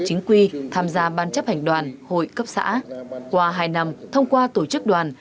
chính quy tham gia ban chấp hành đoàn hội cấp xã qua hai năm thông qua tổ chức đoàn